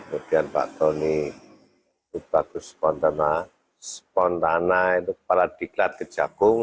kemudian pak tony spontana untuk kepala diklat kejaksaan agung